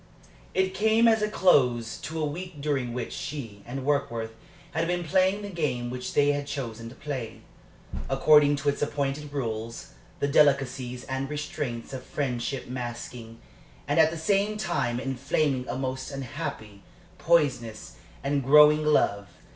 It came as a close to a week during which she and Warkworth had been playing the game which they had chosen to play, according to its appointed rules the delicacies and restraints of friendship masking, and at the same time inflaming, a most unhappy, poisonous, and growing love.